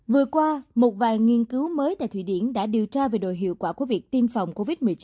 vừa qua một vài nghiên cứu mới tại thụy điển đã điều tra về đội hiệu quả của việc tiêm phòng covid một mươi chín